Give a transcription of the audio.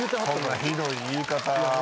そんなひどい言い方